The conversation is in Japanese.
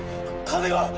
金が！